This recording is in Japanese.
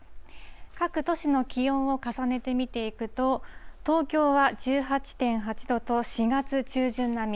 各都市の気温を重ねて見ていくと、東京は１８．８度と４月中旬並み。